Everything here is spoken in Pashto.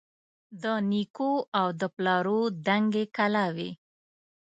د نیکو او د پلرو دنګي کلاوي